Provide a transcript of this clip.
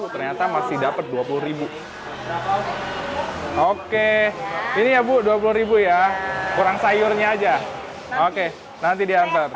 ternyata masih dapat dua puluh oke ini ya bu dua puluh ribu ya kurang sayurnya aja oke nanti diangkat